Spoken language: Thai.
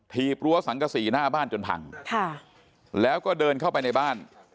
รั้วสังกษีหน้าบ้านจนพังแล้วก็เดินเข้าไปในบ้าน